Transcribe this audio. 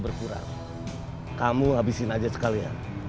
cepat einfach kamu habisin aja sekalian